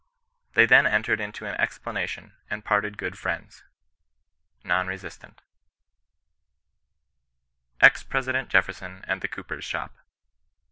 They then entered into an explanation, and parted good friends." — NorirRe sistant, EX PBESIPENT JEFFERSON ANP THE COOPEB's SHOP.